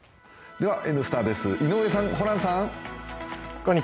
では「Ｎスタ」です井上さん、ホランさん。